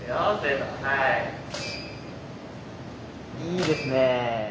いいですね。